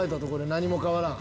何も変わらん。